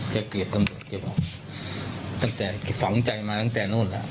แกเกลียดตำรวจเก็บออกตั้งแต่ฝังใจมาตั้งแต่นู่นล่ะ